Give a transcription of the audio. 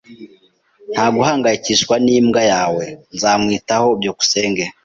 Ntugahangayikishwe n'imbwa yawe. Nzamwitaho. byukusenge